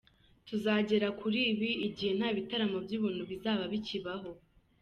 `Tuzagera kuri ibi igihe gihe nta bitaramo by’ubuntu bizaba bikibaho’’.